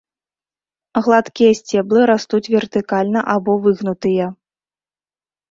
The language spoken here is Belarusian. Гладкія сцеблы растуць вертыкальна або выгнутыя.